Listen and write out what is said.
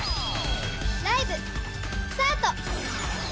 ライブスタート！